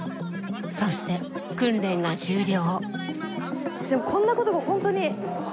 そして訓練が終了。